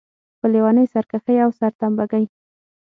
په لېونۍ سرکښۍ او سرتمبه ګۍ.